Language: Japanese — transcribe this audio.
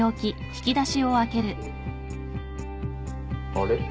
あれ？